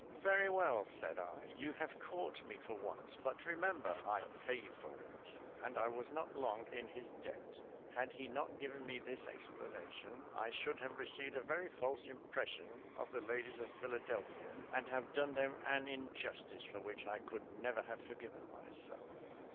"Very well," said I; "you have caught me for once; but remember, I pay you for it." And I was not long in his debt. Had he not given me this explanation, I should have received a very false impression of the ladies of Philadelphia, and have done them an injustice for which I should never have forgiven myself.